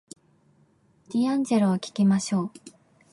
ディアンジェロを聞きましょう